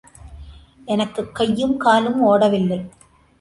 எனக்குக் கையும் காலும் ஓடவில்லை.